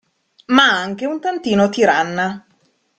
Ma anche un tantino tiranna.